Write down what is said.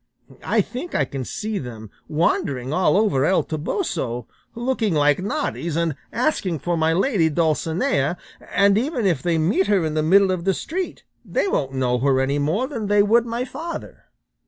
I think I can see them wandering all over El Toboso, looking like noddies, and asking for my lady Dulcinea; and even if they meet her in the middle of the street they won't know her any more than they would my father."